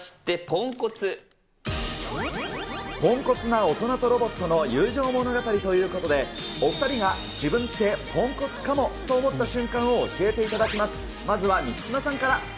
ポンコツな大人とロボットの友情物語ということで、お２人が、自分ってポンコツかもと思った瞬間を教えていただきます。